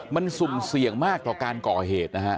มันสุ่มเสี่ยงมากต่อการก่อเหตุนะฮะ